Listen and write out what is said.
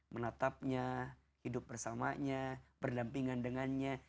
menatapnya hidup bersamanya berdampingan dengannya